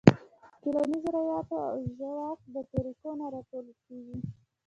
ټولنیزو رواياتو او د ژواک د طريقو نه راټوکيږي -